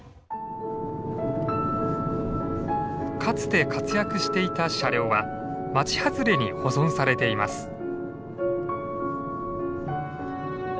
かつて活躍していた車両は町外れに保存されています。